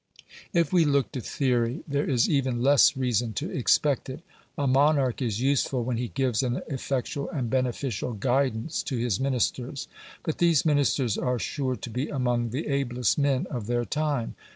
If we look to theory, there is even less reason to expect it. A monarch is useful when he gives an effectual and beneficial guidance to his Ministers. But these Ministers are sure to be among the ablest men of their time.